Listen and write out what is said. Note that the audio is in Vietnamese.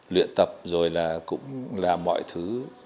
luyện tập rồi là cũng làm mọi thứ